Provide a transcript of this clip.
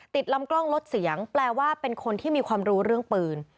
ลำกล้องลดเสียงแปลว่าเป็นคนที่มีความรู้เรื่องปืน